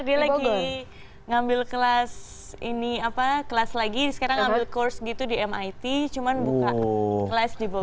dia lagi ngambil kelas ini apa kelas lagi sekarang ngambil kurs gitu di mit cuman buka kelas di bawah